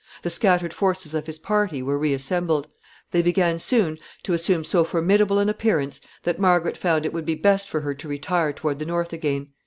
The scattered forces of his party were reassembled. They began soon to assume so formidable an appearance that Margaret found it would be best for her to retire toward the north again.